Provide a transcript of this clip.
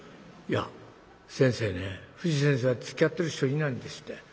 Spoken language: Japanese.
いや先生ね藤先生はつきあってる人いないんですって。